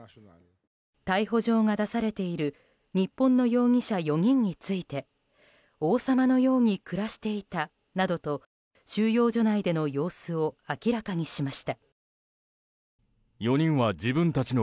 逮捕状が出されている日本の容疑者４人について王様のように暮らしていたなどと収容所内での様子を明らかにしました。